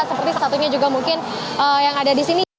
seperti satunya juga mungkin yang ada di sini